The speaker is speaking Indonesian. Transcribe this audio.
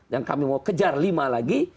yang kami mau kejar lima lagi